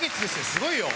すごいよ。